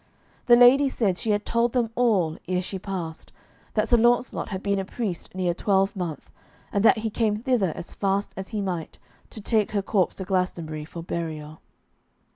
The ladies said she had told them all, ere she passed, that Sir Launcelot had been a priest near a twelvemonth, and that he came thither as fast as he might, to take her corpse to Glastonbury for burial.